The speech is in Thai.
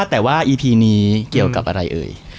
แต่ว่าอีพีนี้เกี่ยวกับอะไรเอ่ย